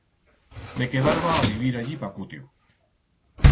Me quedarba a vivir allí pa cutio.